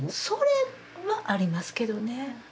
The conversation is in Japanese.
それもありますけどね。